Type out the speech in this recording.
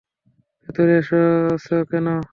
ভেতরে এসেছো কেন?